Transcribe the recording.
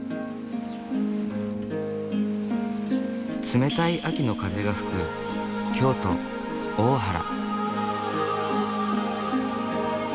冷たい秋の風が吹く京都・大原。